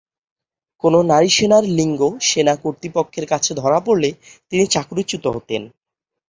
কোনো নারী সেনার লিঙ্গ সেনা কর্তৃপক্ষের কাছে ধরা পড়লে তিনি চাকরিচ্যুত হতেন।